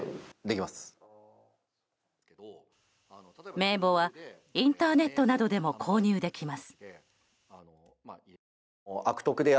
名簿はインターネットなどでも購入できます。